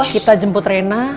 kita jemput rena